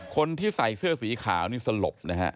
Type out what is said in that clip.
คนที่ใส่เสื้อสีขาวนี่สลบนะฮะ